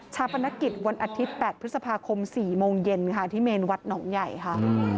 ปนกิจวันอาทิตย์๘พฤษภาคม๔โมงเย็นค่ะที่เมนวัดหนองใหญ่ค่ะ